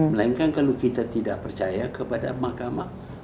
melainkan kalau kita tidak percaya kepada mahkamah